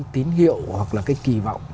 tín hiệu hoặc là cái kỳ vọng